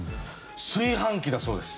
炊飯器だそうです。